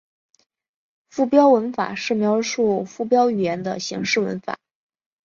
附标文法是描述附标语言的形式文法。